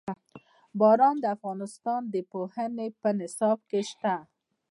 باران د افغانستان د پوهنې په نصاب کې شته.